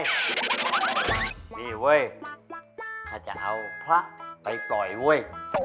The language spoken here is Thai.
นี่เว้ยถ้าจะเอาพระไปปล่อยเว้ย